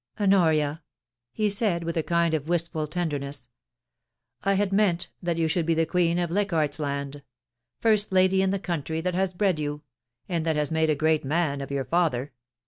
* Honoria,' he said, with a kind of wistful tenderness, ' I had meant that you should be the queen of Leichardt's Land — first lady in the country that has bred you, and that has made a great man of your father.